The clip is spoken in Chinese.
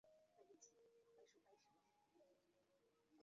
黄茅洲镇是中华人民共和国湖南省沅江市下辖的一个镇。